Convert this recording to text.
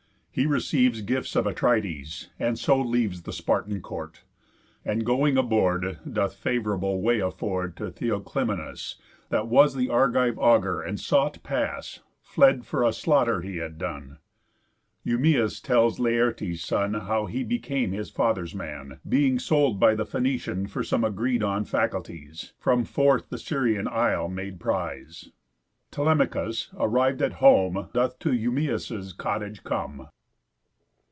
He receives Gifts of Atrides, and so leaves The Spartan court. And, going aboard, Doth favourable way afford To Theoclymenus, that was The Argive augur, and sought pass, Fled for a slaughter he had done. Eumæus tells Laertes' son, How he became his father's man, Being sold by the Phœnician For some agreed on faculties, From forth the Syrian isle made prise. Telemachus, arrived at home, Doth to Eumæus' cottage come.